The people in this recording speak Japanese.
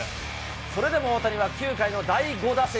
それでも大谷は９回の第５打席。